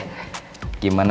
lihat kirim dia dia